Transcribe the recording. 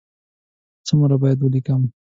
څومره باید ولیکم؟